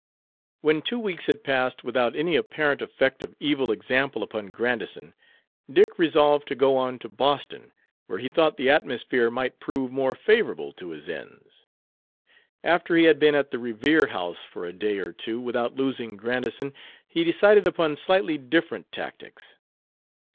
When two weeks had passed without any apparent effect of evil example upon Grandison, Dick resolved to go on to Boston, where he thought the atmosphere might prove more favorable to his ends. After he had been at the Revere House for a day or two without losing Grandison, he decided upon slightly different tactics.